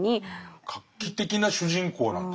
画期的な主人公なんだ。